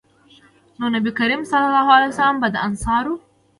نو نبي کريم صلی الله علیه وسلّم به د انصارو